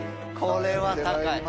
これは高い。